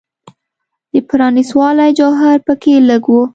د پرانیستوالي جوهر په کې لږ و.